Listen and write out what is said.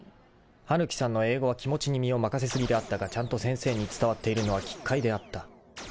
［羽貫さんの英語は気持ちに身を任せ過ぎであったがちゃんと先生に伝わっているのは奇怪であった］